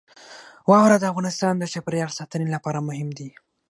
واوره د افغانستان د چاپیریال ساتنې لپاره مهم دي.